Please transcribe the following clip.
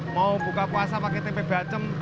mau buka puasa pakai tempe bacem